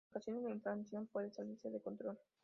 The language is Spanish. En ocasiones la inflación puede salirse de control.